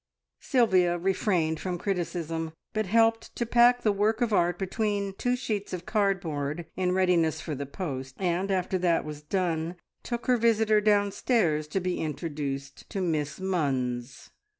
Sylvia refrained from criticism, but helped to pack the work of art between two sheets of cardboard in readiness for the post, and after that was done, took her visitor downstairs to be introduced to Miss Munns.